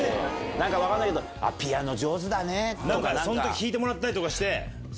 何か分かんないけど「ピアノ上手だね」とか。その時弾いてもらったりして。